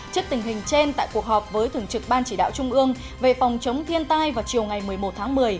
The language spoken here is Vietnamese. trước tình hình trên tại cuộc họp với thường trực ban chỉ đạo trung ương về phòng chống thiên tai vào chiều ngày một mươi một tháng một mươi